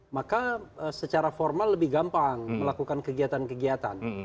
maka secara formal lebih gampang melakukan kegiatan kegiatan